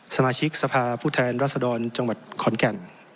สมาชิกสภาผู้แทนรัศดรจังหวัดขอนแก่น